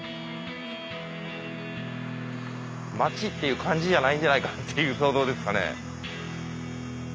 町っていう感じじゃないんじゃないかっていう想像ですかね。